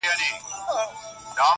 اوس لا ژاړې له آسمانه له قسمته!